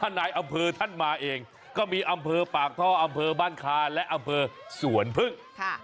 นายอำเภอท่านมาเองก็มีอำเภอปากท่ออำเภอบ้านคาและอำเภอสวนพึ่ง